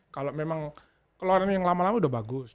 kalau memang keluaran yang lama lama sudah bagus